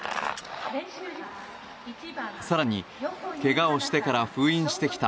更にけがをしてから封印してきた